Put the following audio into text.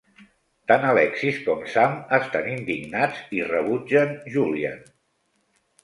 Tant Alexis com Sam estan indignats i rebutgen Julian.